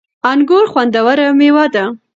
انګور خوندوره مېوه ده